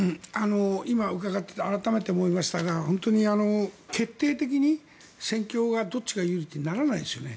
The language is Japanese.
今、伺っていて改めて思いましたが本当に決定的に戦況がどっちが有利ってならないですよね。